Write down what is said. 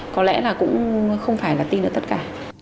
có lẽ là cũng không phải là tin được tất cả